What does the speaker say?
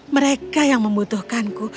mereka yang membutuhkanku